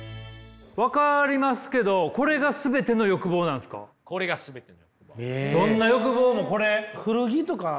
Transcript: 分かりますけどどんな欲望もこれ？